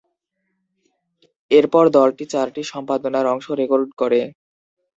এরপর দলটি চারটি সম্পাদনার অংশ রেকর্ড করে।